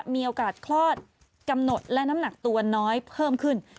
มีโอกาสคลอดกำหนดและน้ำหนักตัวน้อยเพิ่มขึ้น